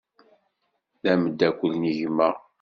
D ameddakel n gma.